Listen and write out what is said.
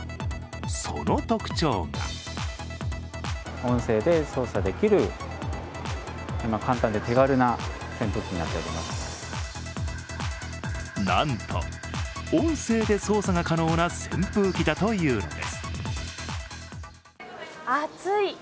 その特徴がなんと、音声で操作が可能な扇風機だというのです。